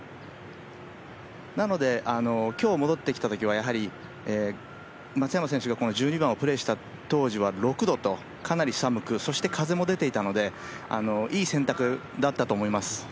なので今日、戻ってきたときはやはり松山選手が１２番をプレーした当時は６度と、かなり寒くそして風も出ていたのでいい選択だったと思います。